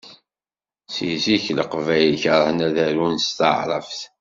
Seg zik Leqbayel kerhen ad arun s taɛrabt.